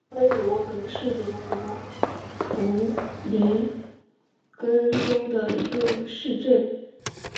安罗德是德国图林根州的一个市镇。